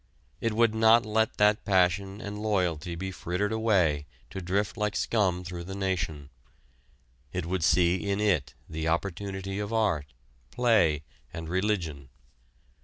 It would not let that passion and loyalty be frittered away to drift like scum through the nation. It would see in it the opportunity of art, play, and religion.